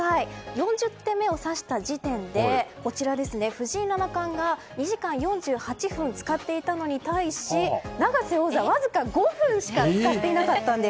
４０手目を指した時点で藤井七冠が２時間４８分を使っていたのに対して永瀬王座、わずか５分しか使っていなかったんです。